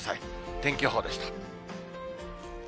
天気予報でした。